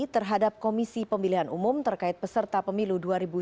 terhadap komisi pemilihan umum terkait peserta pemilu dua ribu sembilan belas